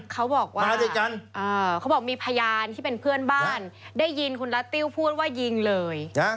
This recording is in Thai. เขาบอกว่าเขาบอกมีพยานที่เป็นเพื่อนบ้านได้ยินคุณรัตติ้วพูดว่ายิงเลย